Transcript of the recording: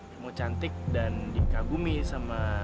kamu cantik dan dikagumi sama